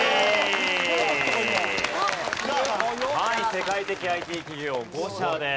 世界的ＩＴ企業５社です。